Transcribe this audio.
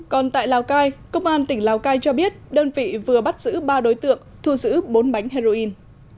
còn tại lào cai công an tp hcm cho biết đơn vị vừa bắt giữ ba đối tượng thu giữ bốn bánh heroin